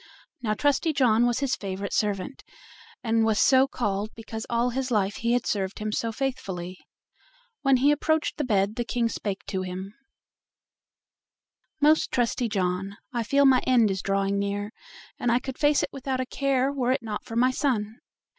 Now Trusty John was his favorite servant, and was so called because all his life he had served him so faithfully. When he approached the bed the King spake to him: "Most trusty John, I feel my end is drawing near, and I could face it without a care were it not for my son.